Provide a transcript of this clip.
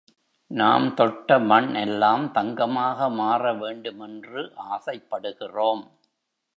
நாம் தொட்ட மண் எல்லாம் தங்கமாக மாற வேண்டுமென்று ஆசைப்படுகிறோம்.